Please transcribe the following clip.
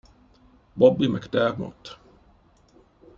Bobby McDermott